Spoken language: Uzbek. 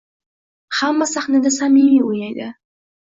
Hamda sahnada samimiy o‘ynaydi.